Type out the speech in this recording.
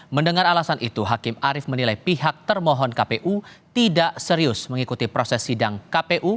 mendengar alasan itu hakim arief menilai pihak termohon kpu tidak serius mengikuti proses sidang kpu